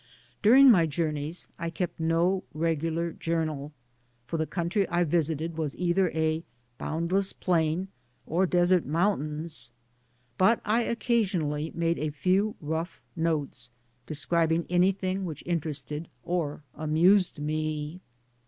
During my journeys I kept no I'egular Digitized byGoogk X INTEODUCTION, journal, for the country I visited was either a boundless plain, or desert mountains ; but I occasionally made a few rough notes, de scribing anything which interests or amused me.